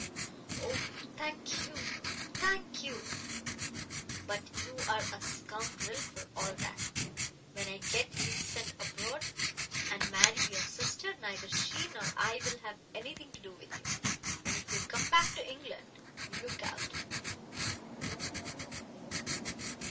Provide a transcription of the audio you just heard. "Oh, thank you thank you " "But you are a scoundrel for all that. When I get you sent abroad and marry your sister, neither she nor I will have anything to do with you. And if you come back to England, look out."